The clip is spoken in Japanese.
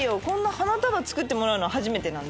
花束作ってもらうのは初めてで。